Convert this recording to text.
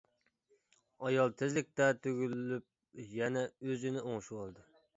ئايال تېزلىكتە تۈگۈلۈپ يەنە ئۆزىنى ئوڭشىۋالدى.